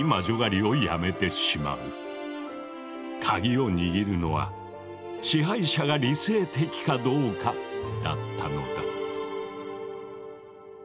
カギを握るのは支配者が理性的かどうかだったのだ。